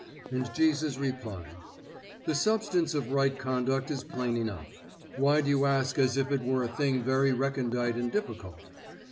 And Jesus replied: The substance of right conduct is plain enough. Why do you ask as if it were a thing very recondite and difficult?